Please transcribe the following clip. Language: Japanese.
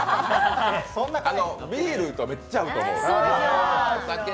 ビールとめっちゃ合う。